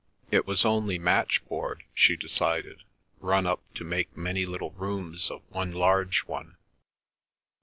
It was only matchboard, she decided, run up to make many little rooms of one large one.